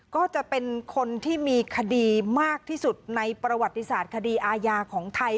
ก็จะเป็นคนที่มีคดีมากที่สุดในประวัติศาสตร์คดีอาญาของไทย